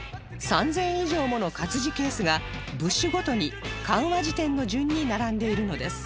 ３０００以上もの活字ケースが部首ごとに漢和辞典の順に並んでいるのです